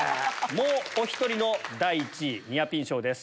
もうお１人の第１位ニアピン賞です。